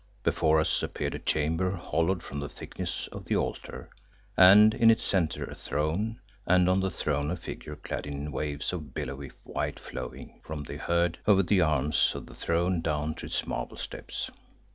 Before us appeared a chamber hollowed from the thickness of the altar, and in its centre a throne, and on the throne a figure clad in waves of billowy white flowing from the head over the arms of the throne down to its marble steps.